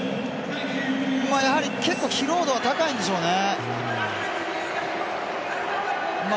やはり、結構、疲労度は高いんでしょうね。